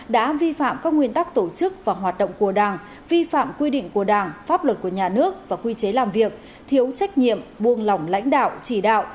đã vi phạm các nguyên tắc tổ chức và hoạt động của đảng vi phạm quy định của đảng pháp luật của nhà nước và quy chế làm việc thiếu trách nhiệm buông lỏng lãnh đạo chỉ đạo